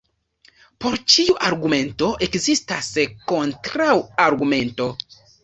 Por ĉiu argumento ekzistas kontraŭargumento.